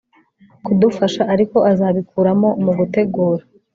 Kudufasha ariko azabikuramo mugutegura